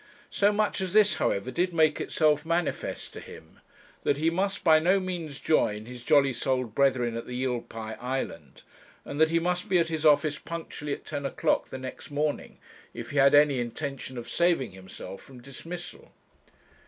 So much as this, however, did make itself manifest to him, that he must by no means join his jolly souled brethren at the Eel pie Island, and that he must be at his office punctually at ten o'clock the next morning if he had any intention of saving himself from dismissal.